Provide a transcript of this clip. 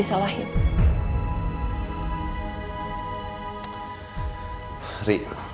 aku mau ngerti